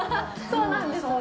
そうなんですね。